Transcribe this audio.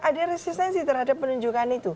ada resistensi terhadap penunjukan itu